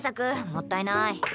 もったいない。